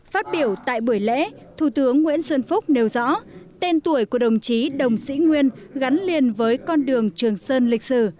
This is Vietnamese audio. phát biểu tại buổi lễ thủ tướng nguyễn xuân phúc nêu rõ tên tuổi của đồng chí đồng sĩ nguyên gắn liền với con đường trường sơn lịch sử